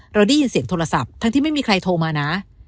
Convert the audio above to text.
เราได้ยินเสียงโทรศัพท์ทั้งที่ไม่มีใครโทรมานะ